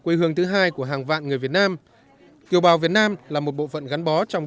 quê hương thứ hai của hàng vạn người việt nam kiều bào việt nam là một bộ phận gắn bó trong